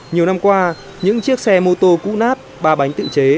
nhiều năm qua những chiếc xe mô tô cũ nát ba bánh tự chế